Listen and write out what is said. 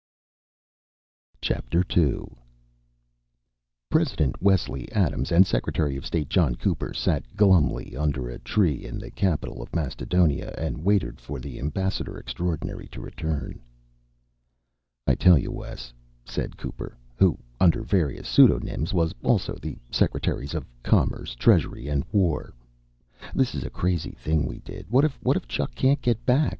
_ II President Wesley Adams and Secretary of State John Cooper sat glumly under a tree in the capital of Mastodonia and waited for the ambassador extraordinary to return. "I tell you, Wes," said Cooper, who, under various pseudonyms, was also the secretaries of commerce, treasury and war, "this is a crazy thing we did. What if Chuck can't get back?